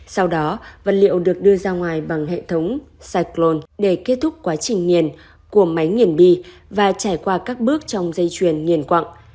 sau đó vật liệu được đưa ra ngoài bằng hệ thống cyclon để kết thúc quá trình nghiền của máy nghiền bi và trải qua các bước trong dây chuyền nghiền quặng